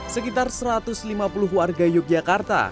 sekitar satu ratus lima puluh warga yogyakarta